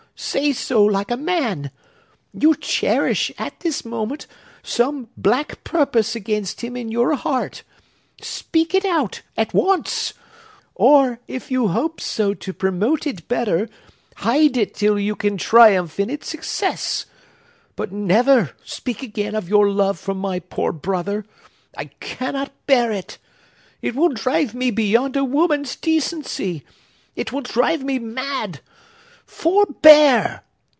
Say so, like a man! You cherish, at this moment, some black purpose against him in your heart! Speak it out, at once!—or, if you hope so to promote it better, hide it till you can triumph in its success! But never speak again of your love for my poor brother. I cannot bear it! It will drive me beyond a woman's decency! It will drive me mad! Forbear!